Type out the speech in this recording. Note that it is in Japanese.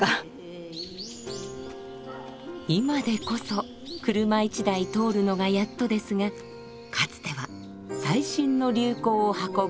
今でこそ車一台通るのがやっとですがかつては最新の流行を運ぶ大動脈。